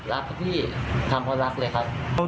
รักพี่ทำเพราะรักเลยครับ